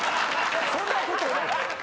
そんなことない。